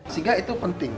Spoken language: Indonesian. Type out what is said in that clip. sehingga itu penting